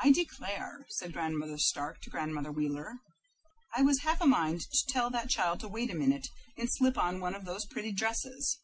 "I declare," said Grandmother Stark to Grandmother Wheeler, "I was half a mind to tell that child to wait a minute and slip on one of those pretty dresses.